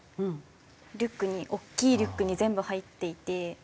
リュックに大きいリュックに全部入っていて。